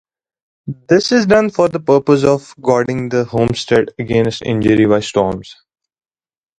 This is done for the purpose of guarding the homestead against injury by storms.